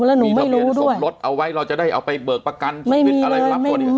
แล้วหนูไม่รู้ด้วยเอาไว้เราจะได้เอาไปเบิกประกันไม่มีเลย